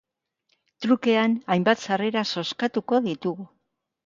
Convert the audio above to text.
Trukean hainbat sarrera zozkatuko ditugu.